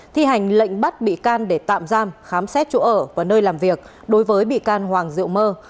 thi hành lệnh bắt bị can để tạm giam khám xét chỗ ở và nơi làm việc đối với bị can hoàng diệu mơ